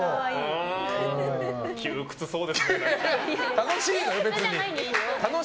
楽しいのよ、別に。